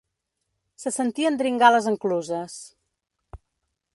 Se sentien dringar les encluses